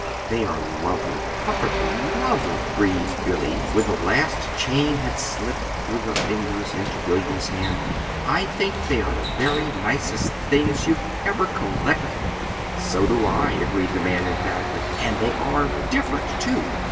"They are lovely, perfectly lovely!" breathed Billy, when the last chain had slipped through her fingers into William's hand. "I think they are the very nicest things you ever collected." "So do I," agreed the man, emphatically. "And they are different, too."